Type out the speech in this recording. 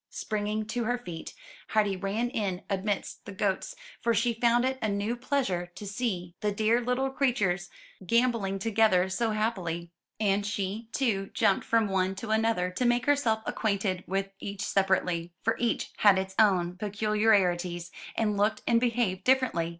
Springing to her feet, Heidi ran in amidst the goats, for she found it a new pleasure to see the dear little 283 MY BOOK HOUSE creatures gamboling together so happily; and she, too, jumped from one to another to make herself acquainted with each separately, for each had its own peculiarities, and looked and behaved differently.